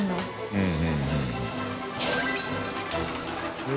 うん。